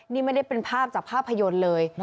นี่ไม่ได้เป็นภาพจากภาพยนตร์เลย